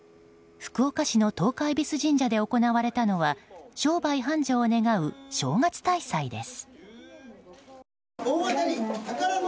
福岡市の十日恵比須神社で行われたのは商売繁盛を願う正月大祭です。